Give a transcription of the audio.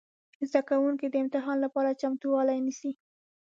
زده کوونکي د امتحان لپاره چمتووالی نیسي.